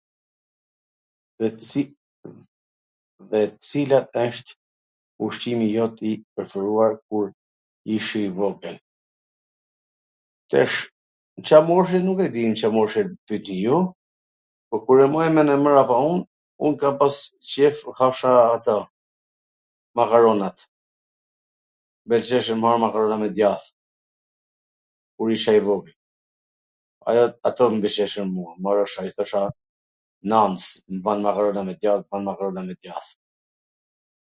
Dhe cila wsht ushqimi jot i preferuar kur ishe i vogwl. Tash, nw Ca moshe, nuk e di. Ca moshe, nuk e di, jo, po kur e maj men e mrapa un, un kam pas qef t hasha ato, makaronat, m pelqeshe me hangwr makaronat me djath, kur isha i vogwl, haja ato m pwlqejshin mua, mbarojsha dhe i thosha nans m bwn makarona me djath, bwna makarona me djath.